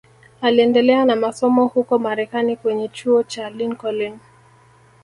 Aliendelea na masomo huko Marekani kwenye chuo cha Lincoln